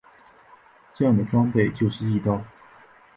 这样的装置就是翼刀。